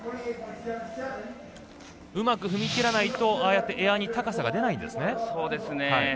うまく踏み切らないとああやって、エアに高さが出ないんですね。